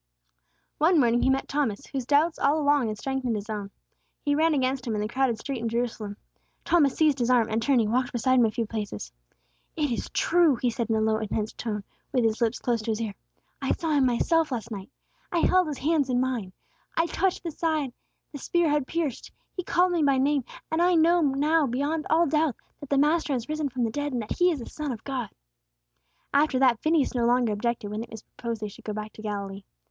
One morning he met Thomas, whose doubts all along had strengthened his own. He ran against him in the crowded street in Jerusalem. Thomas seized his arm, and, turning, walked beside him a few paces. "It is true!" he said, in a low intense tone, with his lips close to his ear. "I saw Him myself last night; I held His hands in mine! I touched the side the spear had pierced! He called me by name; and I know now beyond all doubt that the Master has risen from the dead, and that He is the Son of God!" After that, Phineas no longer objected when it was proposed that they should go back to Galilee.